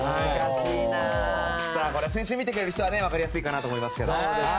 先週見てくれた人は分かりやすいと思いますけど。